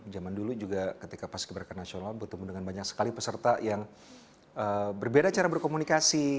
zaman dulu juga ketika paski beraka nasional bertemu dengan banyak sekali peserta yang berbeda cara berkomunikasi